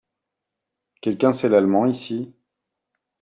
Quelqu'un sait l'allemand ici ?